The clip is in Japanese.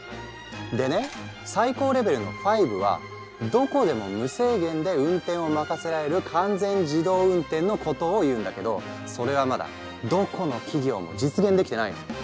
でね最高レベルの５はどこでも無制限で運転を任せられる完全自動運転のことを言うんだけどそれはまだどこの企業も実現できてないの。